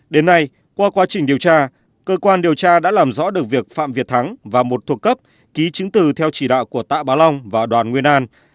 đến nay qua quá trình điều tra cơ quan điều tra đã làm rõ được việc phạm việt thắng và một thuộc cấp ký chứng từ theo chỉ đạo của tạ bá long và đoàn nguyên an